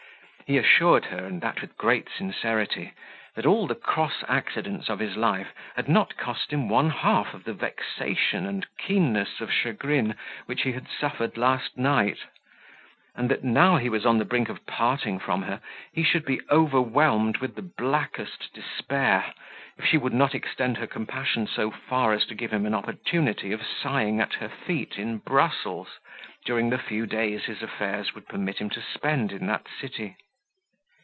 He assured her, and that with great sincerity, that all the cross accidents of his life had not cost him one half of the vexation and keenness of chagrin which he had suffered last night; and that now he was on the brink of parting from her, he should be overwhelmed with the blackest despair, if she would not extend her compassion so far as to give him an opportunity of sighing at her feet in Brussels, during the few days his affairs would permit him to spend in that city.